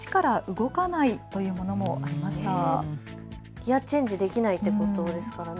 ギアチェンジできないってことですからね。